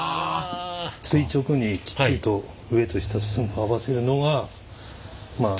垂直にきっちりと上と下寸法合わせるのがまあ難しい。